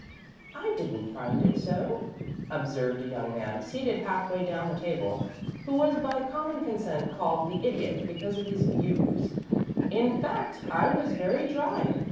"I didn't find it so," observed a young man seated half way down the table, who was by common consent called the Idiot, because of his "views." "In fact, I was very dry.